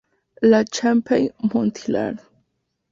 La Chapelle-Montlinard